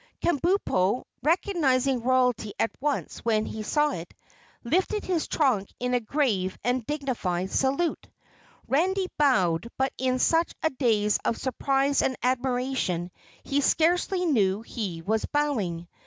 Kabumpo, recognizing royalty at once when he saw it, lifted his trunk in a grave and dignified salute. Randy bowed, but in such a daze of surprise and admiration he scarcely knew he was bowing.